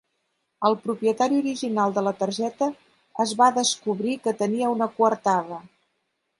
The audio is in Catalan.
El propietari original de la targeta es va descobrir que tenia una coartada.